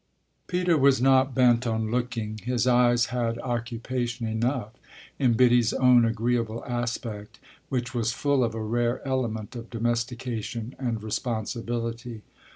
Peter was not bent on looking; his eyes had occupation enough in Biddy's own agreeable aspect, which was full of a rare element of domestication and responsibility.